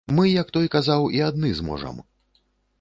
Мы, як той казаў, і адны зможам.